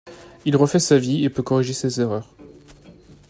Il refait sa vie et peut corriger ses erreurs.